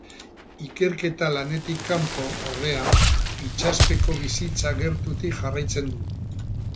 Ikerketa lanetik kanpo, ordea, itsaspeko bizitza gertutik jarraitzen du.